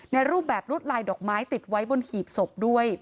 รูปแบบลวดลายดอกไม้ติดไว้บนหีบศพด้วย